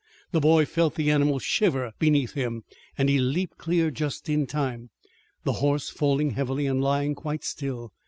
The boy felt the animal shiver beneath him, and he leaped clear just in time, the horse falling heavily and lying quite still.